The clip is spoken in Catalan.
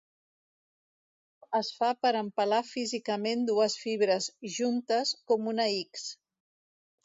El divisor es fa per empalar físicament dues fibres "juntes" com una X.